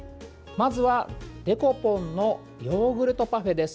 まずはデコポンのヨーグルトパフェです。